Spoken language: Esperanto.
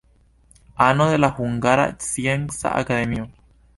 Ano de la Hungara Scienca Akademio.